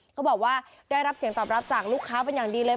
เขาบอกว่าได้รับเสียงตอบรับจากลูกค้าเป็นอย่างดีเลย